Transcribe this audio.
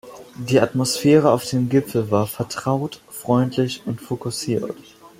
Die Atmosphäre auf dem Gipfel war vertraut, freundlich und fokussiert.